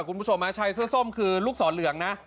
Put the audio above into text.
คุณผู้ชมชายเสื้อส้มคือลูกศรเหลืองนะ